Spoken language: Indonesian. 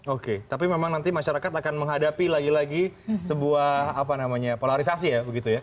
oke tapi memang nanti masyarakat akan menghadapi lagi lagi sebuah polarisasi ya